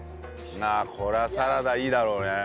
これはサラダいいだろうね。